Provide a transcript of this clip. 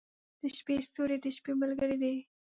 • د شپې ستوري د شپې ملګري دي.